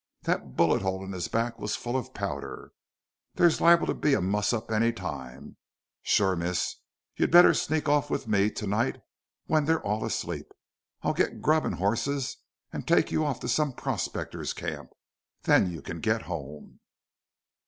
Thet bullet hole in his back was full of powder. There's liable to be a muss up any time.... Shore, miss, you'd better sneak off with me tonight when they're all asleep. I'll git grub an' hosses, an' take you off to some prospector's camp. Then you can git home."